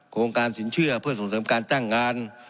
โครงการสินเชื่อเพื่อส่งเสริมการจ้างงาน